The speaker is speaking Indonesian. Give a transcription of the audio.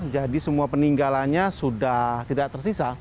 jadi semua peninggalannya sudah tidak tersisa